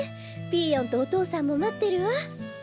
ピーヨンとお父さんもまってるわ。